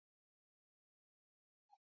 kisusan kibich